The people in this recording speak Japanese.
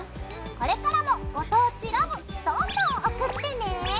これからも「ご当地ＬＯＶＥ」どんどん送ってね！